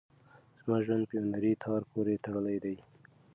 زما ژوند په یوه نري تار پورې تړلی دی.